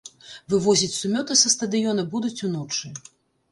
Вывозіць сумёты са стадыёна будуць уночы.